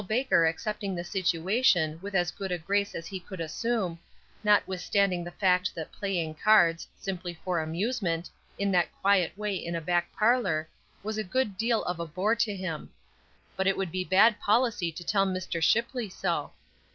Baker accepting the situation with as good a grace as he could assume, notwithstanding the fact that playing cards, simply for amusement, in that quiet way in a back parlor, was a good deal of a bore to him; but it would be bad policy to tell Mr. Shipley so.